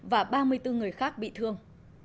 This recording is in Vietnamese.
và ba mươi bốn người khác bị thương